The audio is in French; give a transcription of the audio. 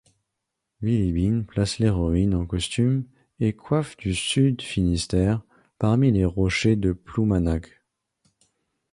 Bilibine place l'héroïne en costume et coiffe du Sud-Finistère parmi les rochers de Ploumanac'h.